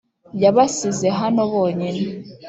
Yabasize hano bonyine